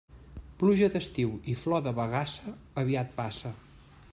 Pluja d'estiu i flor de bagassa, aviat passa.